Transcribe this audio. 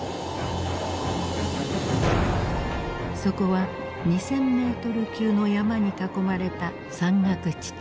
そこは２，０００メートル級の山に囲まれた山岳地帯。